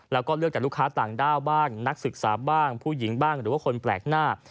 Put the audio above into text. แล้วก็เลือกแต่ลูกค้าต่างด้าวบ้างนักศึกษาบ้างผู้หญิงบ้างหรือว่าคนแปลกหน้า